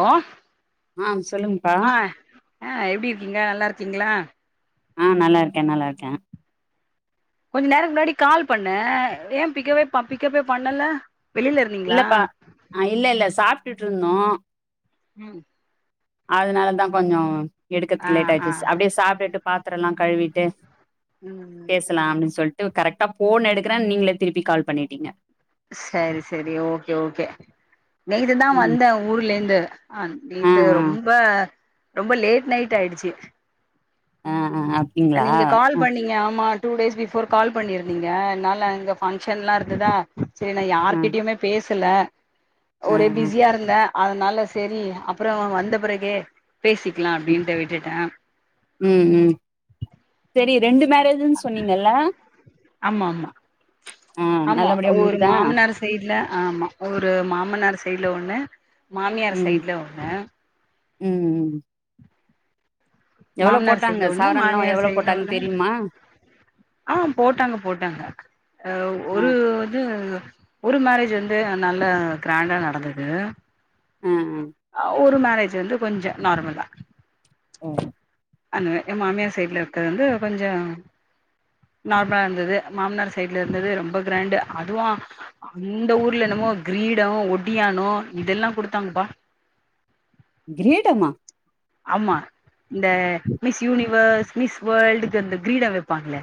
ஓ ஆ சொல்லுங்ப்பா அஹ் அஹ் அ எப்டி இருக்கீங்க நல்லாருக் க்கீங்களா ஆஹ் நல்லாருக்கே நல்லாருக்கே கொஞ்ச நேரம்க்கு முன்னாடி கால் பண்ணே ஏன் பிக்கவே ப பிக்கப்பே பண்ணல வெளில இருந்தீங்களா இல்லப்பா அஹ் இல்ல இல்ல சாப்டுட்ருந்தோ ம் அதனாலதா கொஞ்சோ ஆ எடுக்கறதுக்கு லேட் ஆ ஆயிடுச்சு அப்படியே சாப்டுட்டு பாத்தரல்லா கழுவிட்டு ம் ம் பேசலாம்னு சொல்ட்டு கரக்டா போன் எடுக்குற நீங்களே திருப்பி கால் பண்ணிட்டீங்க சரி சரி ஓகே ஓகே நேத்து தா ம் வந்த ஊருலிந்து அஹ் ஆ நேத்து ரொம்ப ரொம்ப லேட் நைட் ஆயிடுச்சு அ நீங்க கால் பண்ணீங்க ஆமா டூ டேஸ் பிஃபோர் கால் பண்ணிருந்தீங்க என்னால அங்க ஃபங்க்ஷன்லா இருந்துதா சேரி நா ஆ யாருகிட்டயுமே பேசல ஒரே ஆ பிஸியா இருந்த அதனால செரி அப்பறொ வந்த பிறகே பேசிக்கலா ம் அப்டின்ட்டு விட்டுட்ட மேரேஜீன் சொன்னீங்கல்ல ஆமா ஆமா ஆ ஆமா நல்லபடியா ஒரு முடிஞ்சுதா மாமனார் சைடுல ஆமா ஒரு மாமனாரு சைடுல ஒண்ணு மாமியார் ம் சைடுல ஒண்ணு ம் எவ்ளோ மாமனார் போட்டாங்க சைட்ல ஒண்ணு சவரன்லா மாமியார் எவ்ளோ சைட்ல போட்டாங்கன்னு ஒண்ணு தெரியுமா ஆஹ் போட்டாங்க போட்டாங்க அஹ் ஆ ஒரு இது ஒரு மேரேஜ் வந்து நல்ல கிராண்டா நடந்துது ஆ ஆ அ ஒரு மேரேஜ் வந்து கொஞ்ச நார்மல் தா ஓ அன எ மாமியார் சைட்ல இருக்கது வந்து கொஞ்சோ நார்மலா இருந்துது மாமனார் சைட்ல இருந்தது ரொம்ப கிராண்டு அதுவு அந்த ஊர்ல என்னம் மோ க்ரீடோ ஒடியியானோ இதல்லா குடுத்தாங்ப்பா க்ரீடமா ஆமா இந்த மிஸ் யூனிவர்ஸ் மிஸ் வேர்ல்டுக்கந்த க்ரீடா வெப்பாங்களே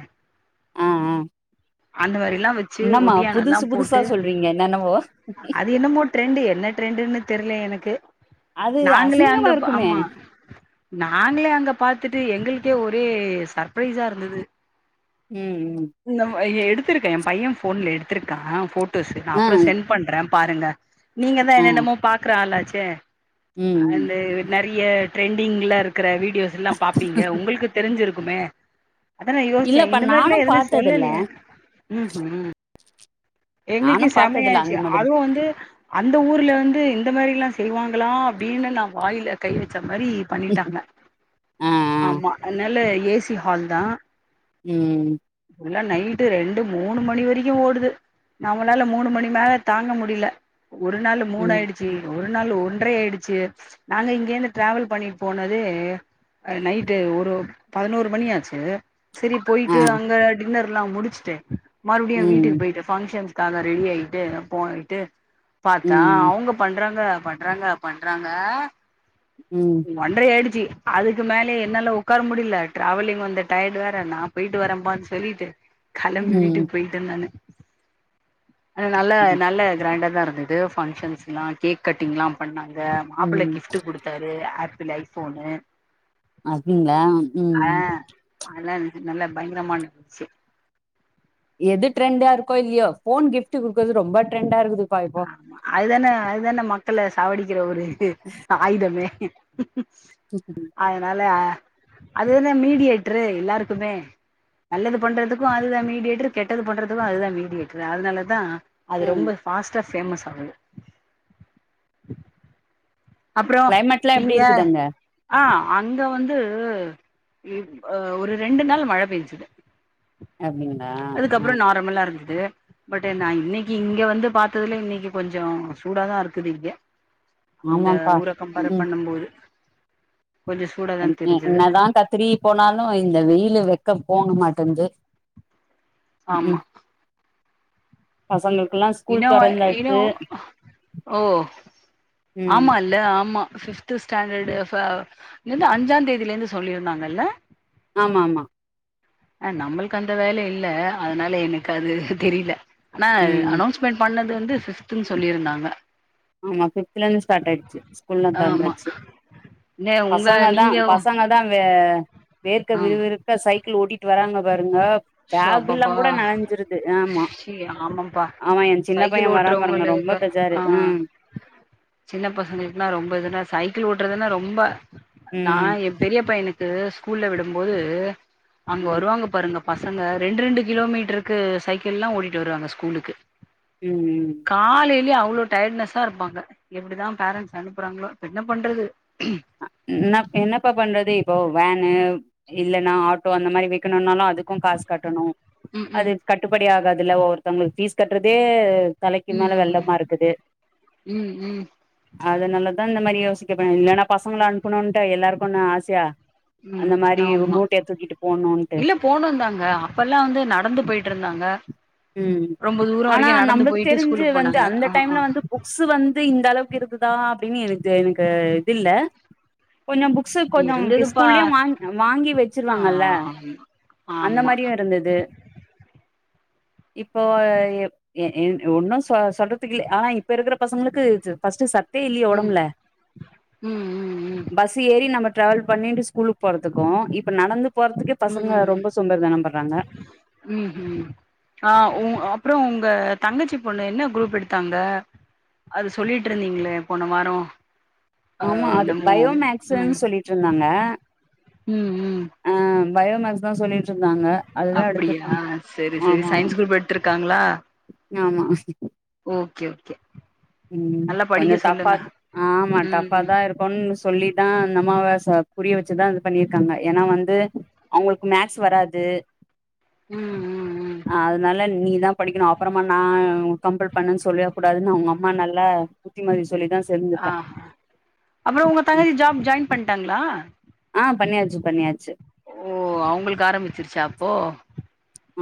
ஆஹ் ஆஹ் அந்த மாரி லாம் வெச்சு ஒடியானோலா புதுசா போட்டு சொல்றீங்க என்னென்னவோ அது என்னமோ ட்ரெண்டு என்ன ட்ரெண்டுன்னு தெர்ல எனக்கு அது நாங்களே அசிங்கமா அங்க போ இருக்குமே ஆமா நாங்களே அங்க பாத் த்துட்டு எங்களுக்கே ஒரே சர்ப்ரைஸா இருந்துது ம் ம் [unintelligible] எடுத்திருக்கே எ பைய ஃபோன்ல எடுத்திருக்கே ஃபோட்டோஸ் நா ம் ஆ அப்றோ சென்ட் பண்றே பாருங்க நீங்க தா ஆ ம் என்னென்னமோ பாக்குற ஆலாச்சே ம் அந்த நட் நெறைய ட்ரெண்டிங்ல இருக்கற வீடியோஸ் எல்லா பாப்பீங்க உங்களுக்கு தெரிஞ்சிருக்குமே அத நா யோசிச்சே இல்லப்பா இந்த மாரிலா நானும் எதுவுமே பாத்ததில்ல சொல்லலையே ம் ஹம் எங்களுக்கு நானும் பாத்ததில்ல செம்மையாச்சு அந்த மாதிரி அதுவு வந்து அந்த ஊர்ல வந்து இந் இந்த மாரிலா செய்வாங்களா அப்டின்னு நா வாயில கை வ ச்ச மாரி பண்ணிட்டாங்க ஆ ஆ ஆமா அதனால ஏசி ஹால் தா ம் ம் எல்லா நைட்டு ரெண்டு மூணு மணி வரைக்கு ஓடுது நம்மளால மூணு மணி மேல தாங்க முடியல ஒரு நாள் மூணு ம் ஆயிடுச்சு ஒரு நாள் ஒன்றே ஆயிடுச்சு நாங்க இங்க இருந்து டிரவல் பண்ணிட்டு போனது நைட்டு ஒரு பதினோரு மணியாச்சு சரி ஆ போய்டு அங்க டின்னர்லா முடுச்சுட்டு மறுபடியு ம் வீட்டுக்கு பொய்டே ரிஷப்சனுக்காக ரெடி ஆய்டு போயிட்டு பாத்தா ம் அவங்க பண்றாங்க பண்றாங்க பண்றாங்க ம் ஒண்றை ஆயிடுச்சு அதுக்கு மேலே என்னால உட்கார முடியல டிராவலிங் வந்த டயடு வேற நா போயிட்டு வரேப்பானு சொல்லிட்டு கெளம்பி ம் வீட்டுக்கு பொய்டே நானு நல்ல ம் நல்ல கிராண்டா தா இருந்தது பங்க்ஷன்ஸ்லா கேக் கட்டிங் எல்லா பண்ணாங் மாப்பிள ம் கிஃப்ட் குடுத்தாரு ஆப்பிள் ஐஃபோனு அதுங்கள ம் ஆ ம் ச் அதெல்லா நல்லா பயங்கரமா [unintelligible] எது ட்ரெண்டா இருக்கோ இல்லையோ ஃபோன் கிப்ட் குடுக்குறது ரொம்ப ட்ரெண்டா இருக்குது ஆமா அதுதானே அதுதானே மக்கள சாவடிக்கிற ஒரு ஆயுதமே அதனால அதுதானே மீடியேடுரு எல்லாருக்குமே நல்லது பண்றதுக்கு அதுதா மீடியேட்ரு கெட்டது பண்றதுக்கு அதுதா மீடியேட்ரு அதனாலதா அது ம் ரொம்ப பாஸ்ட்டா பேஃமஸ் ஆகுது அப்றோ கிளைமேட்லா எப்டி நீங்க இருக்குது அங்க ஆஹ அங்க வந்து ஹ ஒரு ரெண்டு நாள் மழ பெஞ்சது அப்டிங்களா ஆ அதுக்கப்றோ நார்மலா இருந்தது பட் நா இன்னைக்கு இங்க வந்து பாத்ததுல இன்னைக்கு கொஞ்சோ சூடாதா இருக்குது இங்க இந்த ஆமாப்பா ஊர கம்பேர் ம் பண்ணும் போது கொஞ்சோ சூடாதா தெரிஞ்சது என்னதா கத்திரி போனாலு இந்த வெயிலு வெக் கம் போனுமாட்டேந்து ஆமா பசங்கள் இனு இனு ஓ ம் ஆமா இல்ல ஆமா ஃபிப்து ஸ்டாண்டடு ஃப இது அஞ்சாந் தேதில இருந்து சொல்லியிருந்தாங்கல்ல ஆமா ஆமா அ நம்ளுக்கு அந்த வேல இல்ல அதனால எனக்கு அது தெரில ஆனா ம் அனோன்ஸ்மெண்ட் பண்ணது வந்து ஃபிப்துன்னு சொல்லியிருந்தாங்க ஆமா ஃபிப்தல இருந்து ஸ்டாட் ஆயிடுச்சு ஸ்கூல்லா ஆமா திறந்தாச்சு நே உங்க பசங்க தா நீங்க பசங்க தா வே வேர்க்க ஆ விறுவிறுக்க சைக் கிள் ஓட்டிட்டு வராங்க பாருங்க ஷோ பேக்கெல்லா அப்பப்பா கூட நனஞ்சுருது ஆமா ஷி ஆமாப்பா ஆமா எ சின்ன பைய சைக்கிள் வரா பாருங்க ரொம் ப ஓட்டுறவங்களுக்கு பெஜாரு ஆ ம் சின்ன பசங்களுக்குனா ரொம்ப இதுனா சைக்கிள் ஓட்டுறதுன்னா ரொம்ப நா ம் எ பெரிய பையனுக்கு ஸ்கூல்ல விடும்போது அங்க ம் வருவாங்க பாருங்கப் பசங்க ரெண்டு ரெண்டு கிலோமீட்டருக்கு சைக்கிள்லா ஓட்டிட்டு வருவாங்க ஸ்கூலுக்கு ம் காலையிலயே அவ்ளோ டயட்னஸ்ஸா இருப்பாங்க எப்டிதா பேரண்ட்ஸ் அனுப்பறாங்ளோ இப்ப என்ன பண்றது அ என்ன என்னப்பா பண்றது இப்போ வேன் [unintelligible] இல்லனா ஆட்டோ அந்த மாரி விக்குனுனாலு அதுகு காஸ் கட்டனு ம் ம் அது கட்டுபட் முடியாததுல்ல ஒவ்வொருத்தங்ளுக் ஃபீஸ் கட்றதே தலைக்கு மேல ம் வெள்ளமா இருக்குது ம் அதுநாலதா இந்த மாரி யோசிக்கதோனுது இல்லனா பசங்கள அனுப்பணுன்டு எல்லாருக்கு என்ன ஆசையா ம் அந்த மாரி ஆமா மூட்டைய தூக்கிட்டு போணுன்ட்டு இல்ல போனுந்தாங்க அப்பல்லா வந்து நடந்து போயிட்டு இருந்தாங் ங்க ம் ரொம்ப தூரோ ஆனா வரைக்கு நடந்து நம்ளுக்கு தெரிஞ்சு ஸ்கூலுக்கு வந்து போனாங்க அந்த ஆ ஆ டைம்ல வந்து புக்ஸு வந்து இந்த அளவுக்கு இருக்குதா அப் [unintelligible] எனக்கு எனக்கு இதுல்ல கொஞ்சோ புக்ஸு கொஞ்சோ இருந்ததுப்பா ஸ்கூல்லயு வாங் வாங்கி ஆ வெச்சுருவாங்கல்ல அந்த ஆமா மாதிரியு இருந்தது [inaudible] இப்போ எ ஒன்னு சொ சொல்றதுக்கு இல்ல ஆனா இப்போ இருக்குற பசங்ளுக்கு ஃபஸ்ட்டு சட் தே இல்லியே ம் ஒடம்புல ம் ம் ம் பஸ்ஸு ஏ ரி நம்ம ட்ராவல் பண்ணீட்டு ஸ்கூலுக் போறதுக்கு இப்ப நடந்து போறதுக்கே பசங்க ம் ரொம்ப சோம்பேரி தனொ பட்றாங்க ம் ம் ஆ ஊ அப்றோ உங்க தங்கச்சி பொண்ணு என்ன குரூப் எடுத்தாங்க அது சொல்லிட்ருந்தீங்ளே போன வாரொ ஆமா அது பயோமேக்ஸுன் சொல்லிட்ருந்தாங்க ம் ம் ஆ பயோமேக்ஸ்தா சொல்லிட் இருந்தாங்க அதுதா அப்டியா எடுத்துர்பாங்க சரி சரி ஆமா சயின்ஸ் குரூப் ஆமா ஆமா ஓக்கே ஓக்கே ம் கொஞ்சோ டஃப்பா ஆமா ம் ம் டஃபாதா இருக்குனு சொல்லிதா நம்ம வாச புரிய வெச்சுதா இது பண்ணிருக்காங்க ஏனா வந்து அவுங்களுக்கு மேக்ஸ் வராது ம் ம் ம் ஆ அதனால நீதா படிக்கணு அப்பறமா நா கம்பல் பண்ணுன் சொல்லிற கூடாதுனு அவுங்க அம்மா நால புத்திமதி சொல்லிதா ஆ சேர்ந்திருக்கா அப்புறோ உங்க ம் தங்கசி ஜாப் ஜாயின் பண்டாங்ளா அ பண்ணியாச்சு பண்ணியாச்சு ஓ அவங்களுக்கு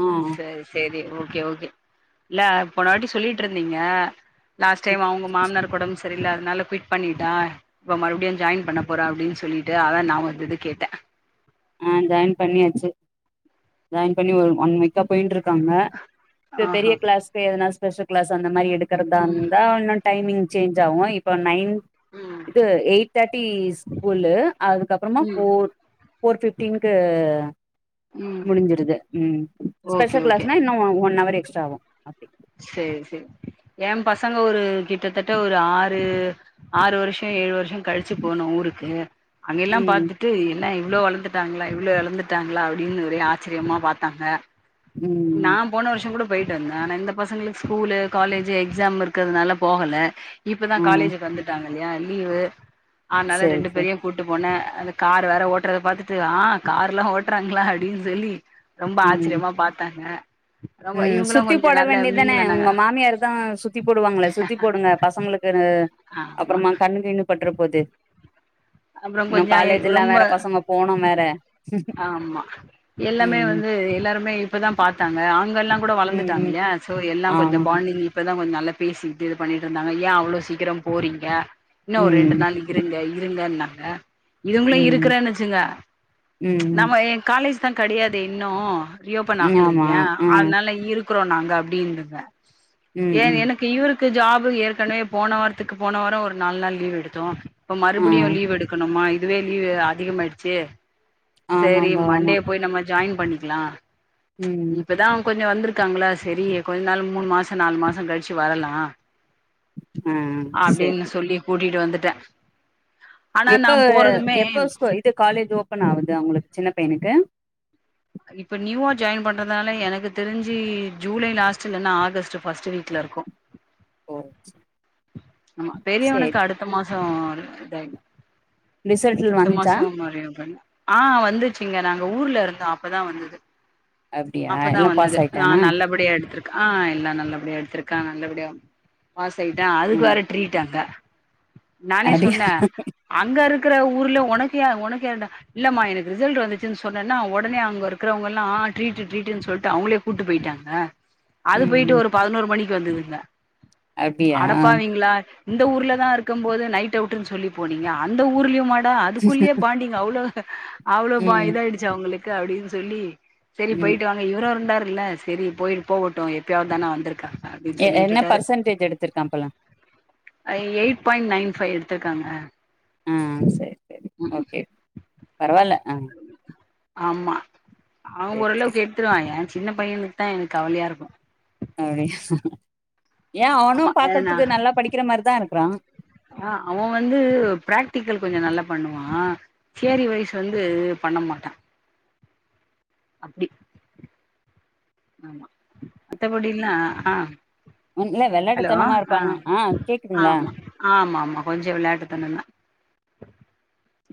ஆ ஆ சேரி சேரி ஓகே ஓகே இல்ல போன வாட்டி சொல்லிட்ருந்தீங்க லாஸ்ட்டைம் அவுங்க மாம்னார்கு ஒடம் செரியில்லாதனால குவிட் பண்ணிட்டா இப்ப மறுப்டியு ஜாயின் பண்ண போற அப்டின் சொல்லிட்டு அதா நா உங்ககிட்ட கேட்டே ஆ ஜாயின் பண்ணியாச்சு ஜாயின் பண்ணி ஒரு ஒன் வீக்கா போயின்ருக்காங்க இப்ப பெரிய ஆஹா கிளாஸ்கு எதனா ஸ்பெஷல் கிளாஸ் அந்த மாரி ம் இருக்கறதாந்த இன்னு டைமிங் சேஞ்ச் ஆவு இப்போ நைன் ம் இது எயிட் தேர்ட்டி ஸ்கூல்லு அதுக்கப்புறொமா ம் ஃபோர் ஃபோர் ஃபிஃப்டீன்கு ம் முடிஞ்சுருது ம் ஓகே ஸ்பெஷல் ஓகே கிளாஸ்னா இன்னு ஒன் ஹவர் எக்ஸ்ட்ரா ஆவு அப்டி சேரி சேர் எ பசங்க ஒரு கிட்டதட்ட ஒரு ஆறு ஆறு வருஷோ ஏழு வருஷோ கழிச்சு போன ஊரு இருக்கு அங்க எல்லா ம் பாத்துட்டு என்ன இவ்ளோ வளந்துட்டாங்ளா இவ்ளோ எழந்துட்டாங்ளா அப்டின் ஒரே ஆச்சிரியமா பாத்தாங்க நா ம் போன வருஷோ கூட போய்டு வந்தே ஆனா இந்த பசங்ளுக்கு ஸ்கூலு காலேஜு எக்ஸாம் இருக்கற்துனால போகல இப்பதா ஆ காலேஜுக்கு வந்துட்டாங்க இல்லயா லீவு அத்னால சேரி ரெண்டு சேரி பேரயும கூட்டுபோனே அந்த கார் வேற ஓட்டறத பாத்துடு ஆ கார்லா ஓட்றாங்ளா அப்டின் சொல்லி ரொம்ப ம் ஆச்ரியமா பாத்தாங்க ரொம்ப இவுங்ளு கொஞ்சோ ட நல்ல வேண்டிதானே மிங்கிளானாங்க உங்க மாமியார்தா சுத்தி போடுவாங்ளே சுத்தி போடுங்க பசங்ளுக்குனு ஆமா அப்புறமா கண்ணு கிண்ணு பட்டுற போது அப்புறம் இன்னு கொஞ்சோ எ காலேஜ் எல்லா ரொம்ப வேற பசங்க போனு வேற ஆமா எல்லாமே ம் வந்து எல்லாருமே இப்பதா பாத்தாங்க அங்கல்லா கூடோ ம் வளந்துட்டாங் ம் இல்லையா சோ எல்லாம் ஆமா கொஞ்சம் பாண்டிங் இப்ப த கொஞ்ச நல்லா பேசிட்டு இது பண்ணிட்ருந்தாங்க ஏ அவ்ளோ சீக்கிரம் போறீங்க இன்னு ஒரு ம் ரெண்டு நாள் இருங்க இருங்கன்னாங்க இதுங்குளு ம் ம் இருக்கறேன்னச்சுங்க ம் நம்ம எ காலேஜ் தா கெடியாது இன்னு ரியோப்பன் ம் ஆகல ஆமா இல்லயா ஆ அத்னால இருக்குறோ நாங்க அப்டின்றத ம் ஏ ம் எனக்கு இருக் கு ஜாபு ஏற்கனவே போன வாரத்துக்கு போன வாரோ ஒரு நால் நாள் லீவ் எடுத்தோ ப்போ ஆ மறுபுடியு லீவ் எடுக் கனுமா இதுவே லீ்வு அதிகமாய்டுச்சு செரி ஆமாம்பா ஆமா மண்டே போய் நம்ம ஜாய்ன் பண்ணிக்லா ம் இப்பதா கொஞ்சோ வந்துரு க்காங்களா செரி கொஞ் நாள் மூணு மாச நாலு மாசோ கழிச்சு வரலா ஆ சரி அப்டின்னு சரி சொல்லி கூட்டிட்டு வந்துட்டே ஆனா எப்ப நா போறதுமே எப்ப ஸ்கூ இது காலேஜ் ஓபன் ஆவுது அவுங்களுக் சின்னப் பைனுக்கு இப்ப நியூவா ஜாய்ன் பண்றதால எனக்கு தெரிஞ்சி ஜூலை லாஸ்ட் இல்லனா ஆகஸ்ட்டு ஃபஸ்ட்டு வீக்ல இருக்கு ஒ செ ஆமா பெரியவனுக்கு அடுத்த மாசோ இத ரிசல்ட் அடுத்த வந்துச்சா மாசோ மாரி பண்ணா அ வந்துச்சிங்க நாங்க ஊர்ல இருந்தோ அப்பதா வந்துது அப்டியா அப்பதா எல்லா பாஸ் வந்துது அ ஆயிட்டானா நல்லபடியா எடுத்துருக் அ எல்லா நல்லபடியா எடுத்துருக்கா நல்லபடியா பாசாய்ட்டா அதுக்கு ம் வேற ட்ரீட்டாங்க நானே அப்டியா சொன்ன அங்க இருக்கிற ஊர்ல உனக் யா உனக் யாருடா இல்லமா எனக்கு ரிசல்ட்டு வந்துச்சின் சொன்னனா ஒடனே அங்கருக்கிறவங்கல்லா ட்ரீட்டு ட்ரீ அப்டின் சொல்ட்டு அவுங்களே கூட்டு போயிட்டாங்க அது ம் போய்ட்டு ம் ஒரு பதனோரு மணிக்கு வந்துதுங்க அப்டியா அடப்பாவீங்ளா இந்த ஊர்ல தா இருக்கும் போது நைட் அவுட்டுன் சொல்லி போனீங்க அந்த ஊருலியுமா டா அதுக்குள்யே பாண்டிங்கா அவ்ளோ அவ்ளோ பா ம் இதாயிடுச்சு அவுங்களுக்கு அப்டினு சொல்லி செரி ம் போய்ட்டு வாங்க இவரு இருந்தாரு இல்ல செரி போயி போகட்டு எப்யாவ்த் தான வந்திருக்கா எ என்ன பர்சன்டேஜ் எடுத்திருக்கான்ப்பல்ல அ எயிட் பாய்ண் நைன் ஃபைவ் எடுத்திருக்காங்க அ செரி செரி ஓகே பரவால்ல அ ஆமா அவ சரி ஓரளவுக்கு எட்த்துருவா எ சின்ன பையனுக் தா எனுக் கவலியாருக்கு அப்டியா ஏ அவனு ஆமா பாக்கற்துக்கு நல்லா படிக்கிற மாரிதா இருக்கிறா அ அவ வந்து பிராக்டிக்கல் கொஞ்ச நல்லா பண்ணுவா தியரி வைஸ் வந்து பண்ண மாட்டா அப்பிடி ஆமா மத்தபடிலா அ அ ம் இல்ல ஹலோ வெள்ளாட்டுத்தனமா அ இருப்பானா ஆ கேக்குதுங்களா ஆமா ஆமாமா கொஞ்சு விளாட்டுத்தனந்தா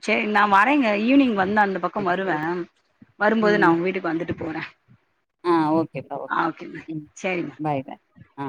செரி நா வரேங்க ஈவ்னிங் வ ந்து அந்த பக்கம் வருவே வரும்போது நா உங் வீட்டுக் வந்துட்டு போறே அ ஓகேப்பா ஆ ஓகேங்க ஓகே ம் சேரிங்க பாய்டா அ